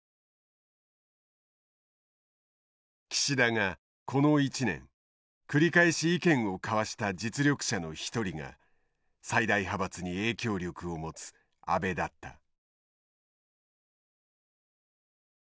岸田がこの１年繰り返し意見を交わした実力者の一人が最大派閥に影響力を持つ安倍だった。